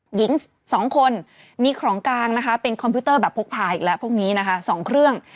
หญิง๒คนมีของกลางนะคะเป็นคอมพิวเตอร์แบบพกพาอีกแล้วพวกนี้นะคะ๒เครื่อง